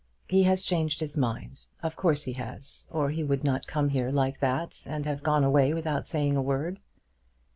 He has changed his mind. Of course he has, or he would not come here like that and have gone away without saying a word."